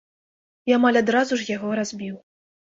І амаль адразу ж яго разбіў.